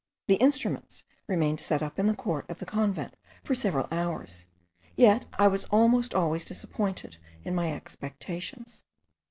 The instruments remained set up in the court of the convent for several hours, yet I was almost always disappointed in my expectations.